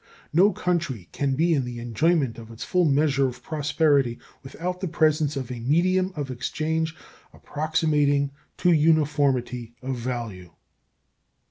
No country can be in the enjoyment of its full measure of prosperity without the presence of a medium of exchange approximating to uniformity of value.